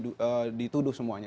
di dalam masjid dituduh semuanya